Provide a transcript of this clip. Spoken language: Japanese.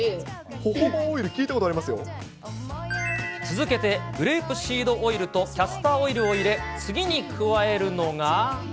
ホホバオイル、聞いたことあ続けてグレープシードオイルとキャスターオイルを入れ、次に加えるのが。